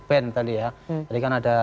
band tadi ya tadi kan ada